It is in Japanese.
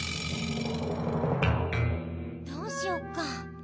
どうしよっか。